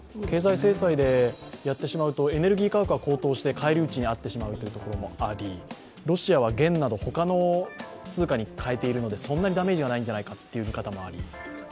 経済制裁でやってしまうと、エネルギー価格が高騰して返り討ちにあってしまうというところもあり、ロシアは元など他の通貨に換えているのでそんなにダメージはないんじゃないかという見方もあり。